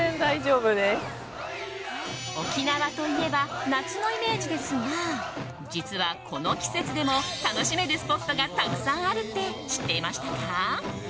沖縄といえば夏のイメージですが実は、この季節でも楽しめるスポットがたくさんあるって知っていましたか？